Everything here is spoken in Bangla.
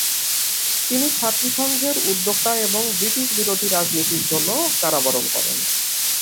তিনি ছাত্রী সংঘের উদ্যোক্তা এবং ব্রিটিশ বিরোধী রাজনীতির জন্য কারাবরণ করেন।